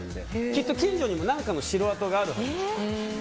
きっと近所にも何かの城跡があると思います。